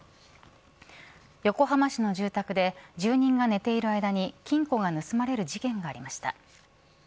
横浜市の住宅で住人が寝ている間に金庫が盗まれる事件がありました。